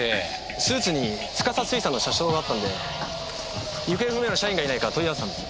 スーツに司水産の社章があったんで行方不明の社員がいないか問い合わせたんです。